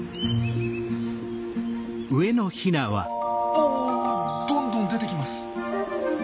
あどんどん出てきます。